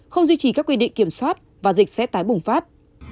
không duy trì các quy định kiểm soát và dịch sẽ tái bùng phát